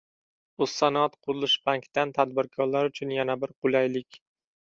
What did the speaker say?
O‘zsanoatqurilishbankdan tadbirkorlar uchun yana bir qulaylik